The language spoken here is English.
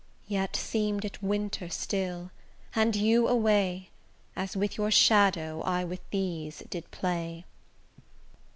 Yet seem'd it winter still, and you away, As with your shadow I with these did play.